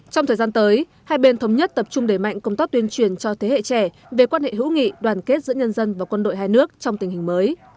trong thời gian tới hai bên thống nhất tập trung đẩy mạnh công tác tuyên truyền cho thế hệ trẻ về quan hệ hữu nghị đoàn kết giữa nhân dân và quân đội hai nước trong tình hình mới